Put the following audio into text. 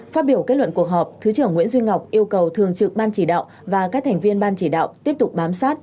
phát biểu kết luận cuộc họp thứ trưởng nguyễn duy ngọc yêu cầu thường trực ban chỉ đạo và các thành viên ban chỉ đạo tiếp tục bám sát